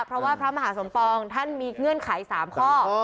เพราะว่าพระมหาสมปองท่านมีเงื่อนไข๓ข้อ